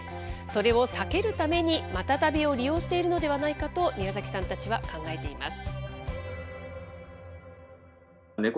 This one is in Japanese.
それを避けるためにマタタビを利用しているのではないかと、宮崎さんたちは考えています。